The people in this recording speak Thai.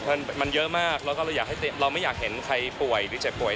มันเยอะมากแล้วก็เราอยากให้เราไม่อยากเห็นใครป่วยหรือเจ็บป่วย